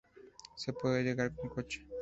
Se puede llegar con coche.